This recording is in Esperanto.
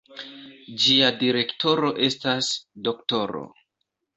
Ĝia direktoro estas D-ro.